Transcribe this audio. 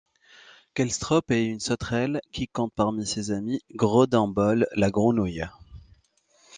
Kalle Stropp est une sauterelle qui compte parmi ses amis Grodan Boll, la grenouille.